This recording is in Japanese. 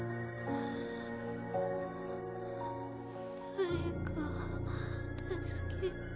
誰か助けて。